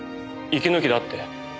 息抜きだって。